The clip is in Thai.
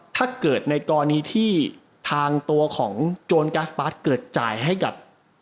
ถ้าเกิดในกรณีที่ทางตัวของโจรกัสปาร์ทเกิดจ่ายให้กับ